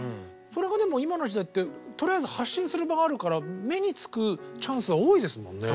それがでも今の時代ってとりあえず発信する場があるから目に付くチャンスは多いですもんね。